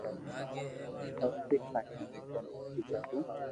روٽي کائين پوڻي پيڌو تو